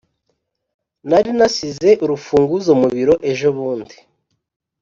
nari nasize urufunguzo mu biro ejobundi.